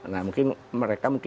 nah mungkin mereka